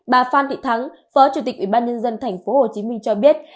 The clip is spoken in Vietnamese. bà phan thị thắng phó chủ tịch ủy ban nhân dân thành phố hồ chí minh cho biết